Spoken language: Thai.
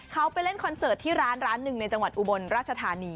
เขาไปเล่นคอนเสิร์ตที่ร้านร้านหนึ่งในจังหวัดอุบลราชธานี